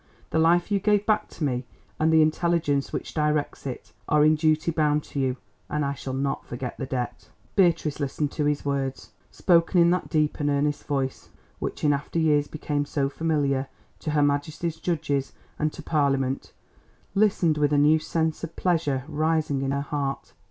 The life you gave back to me, and the intelligence which directs it, are in duty bound to you, and I shall not forget the debt." Beatrice listened to his words, spoken in that deep and earnest voice, which in after years became so familiar to Her Majesty's judges and to Parliament—listened with a new sense of pleasure rising in her heart.